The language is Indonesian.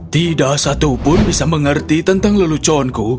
tidak satupun bisa mengerti tentang leluconku